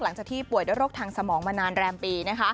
หลังจากที่ป่วยด้วยโรคทางสมองมานานแรมปี